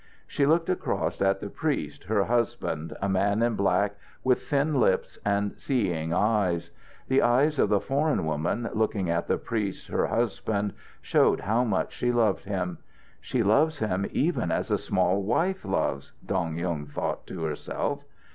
She looked across at the priest, her husband, a man in black, with thin lips and seeing eyes. The eyes of the foreign woman, looking at the priest, her husband, showed how much she loved him. "She loves him even as a small wife loves," Dong Yung thought to herself.